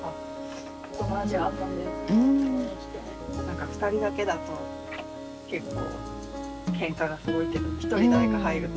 何か２人だけだと結構けんかがすごいけど一人誰か入ると。